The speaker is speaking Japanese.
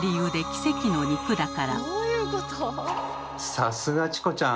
さすがチコちゃん！